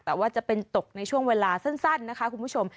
แต่ว่าจะเป็นตกในช่วงเวลาสั้นนะคะคุณผู้ชม